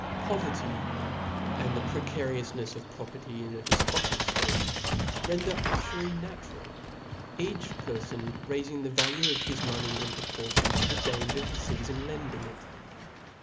Poverty and the precarioufnefs of property in z defpotic ftate render ufury natural, each perfon raif iog the value of his money in proportion to the danger he lees in lending it.